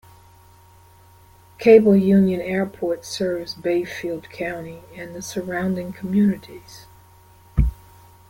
Cable Union Airport serves Bayfield County and the surrounding communities.